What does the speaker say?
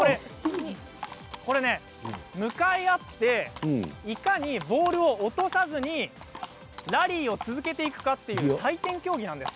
向かい合って、いかにボールを落とさずにラリーを続けていくかという採点競技なんです。